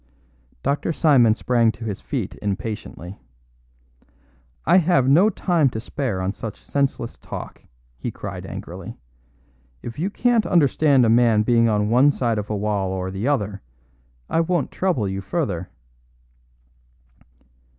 Dr. Simon sprang to his feet impatiently. "I have no time to spare on such senseless talk," he cried angrily. "If you can't understand a man being on one side of a wall or the other, I won't trouble you further."